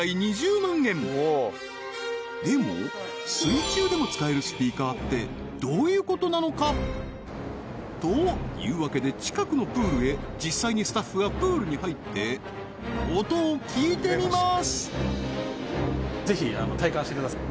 はいでも水中でも使えるスピーカーってどういうことなのか？というわけで近くのプールへ実際にスタッフがプールに入って音を聴いてみます